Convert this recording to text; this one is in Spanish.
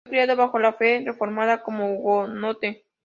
Fue criado bajo la fe reformada como hugonote.